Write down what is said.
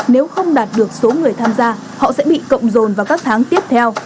nếu không đạt được số người tham gia họ sẽ bị cộng dồn vào các tháng tiếp theo